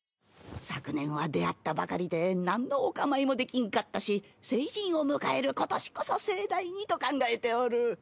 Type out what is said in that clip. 昨年は出会ったばかりでなんのお構いもできんかったし成人を迎える今年こそ盛大にと考えておる。